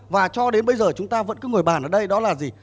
và cho đến bây giờ chúng ta vẫn cứ ngồi bàn ở đây đó là gì